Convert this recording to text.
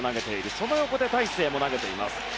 その横で大勢も投げています。